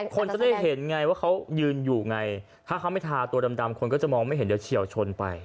คนจะได้เห็นไงว่าเขายืนอยู่ไงถ้าเขาไม่ทาตัวดำคนก็จะมองไม่เห็นเดี๋ยวเฉียวชนไป